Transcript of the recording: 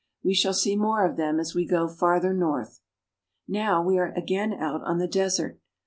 We shall see more of them as we go farther north. Now we are again out on the desert.